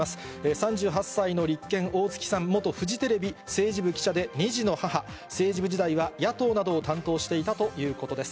３８歳の立憲、大築さん、元フジテレビ政治部記者で、２児の母、政治部時代は野党などを担当していたということです。